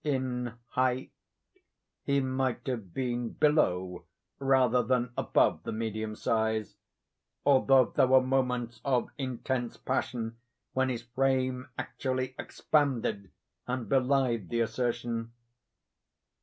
In height he might have been below rather than above the medium size: although there were moments of intense passion when his frame actually expanded and belied the assertion.